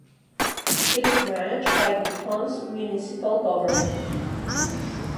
It is managed by the Ponce municipal government.